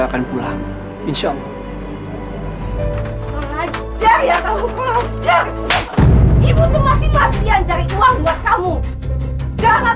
akan pulang insya allah pengajar ya tahu pengajar ibu tuh mati mati yang cari uang buat kamu jangan